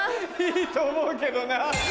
いいと思うけどな。